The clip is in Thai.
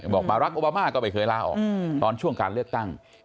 บอกบารักษ์โอบามาก็ไม่เคยลาออกตอนช่วงการเลือกตั้ง